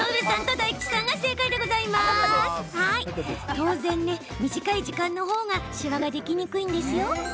当然、短い時間のほうがシワができにくいですよね？